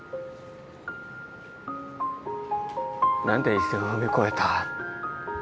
何で一線を踏み越えた？